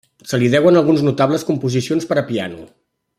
Se li deuen algunes notables composicions per a piano.